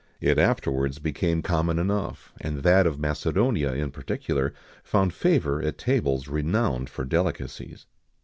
It afterwards became common enough, and that of Macedonia, in particular, found favour at tables renowned for delicacies.